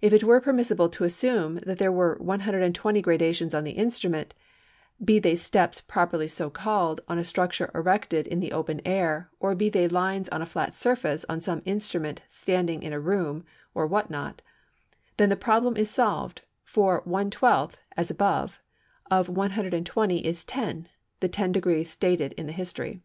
If it were permissible to assume that there were 120 graduations on the instrument, be they steps properly so called on a structure erected in the open air or be they lines on a flat surface on some instrument standing in a room, or what not, then the problem is solved, for 1/12 (as above) of 120 is ten—the "ten degrees" stated in the history.